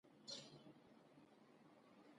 زه چټل ځای نه خوښوم.